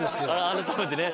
改めてね。